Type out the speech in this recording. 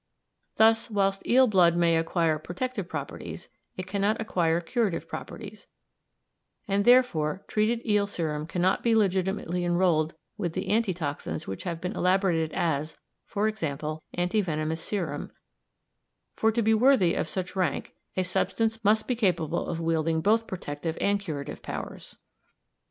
Thus whilst eel blood may acquire protective properties it cannot acquire curative properties, and, therefore, treated eel serum cannot be legitimately enrolled with the anti toxins which have been elaborated, as, for example, anti venomous serum, for, to be worthy of such rank, a substance must be capable of wielding both protective and curative powers.